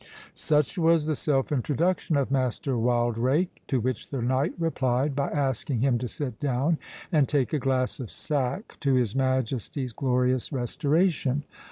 Such was the self introduction of Master Wildrake, to which the knight replied, by asking him to sit down, and take a glass of sack to his Majesty's glorious restoration.